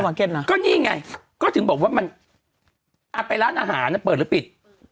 เมื่อตะท่าจะหลีด